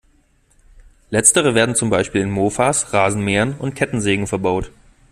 Letztere werden zum Beispiel in Mofas, Rasenmähern und Kettensägen verbaut.